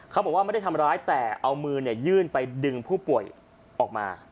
เขาบอกว่าไม่ได้ทำร้ายแต่เอามือยื่นไปดึงผู้ป่วยออกมา